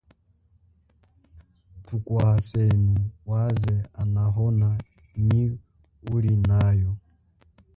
Thukwasenu waze anahona nyi ulinayo.